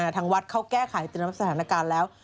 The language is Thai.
ทางวัดเขาแก้ไขสถานการณ์แล้ว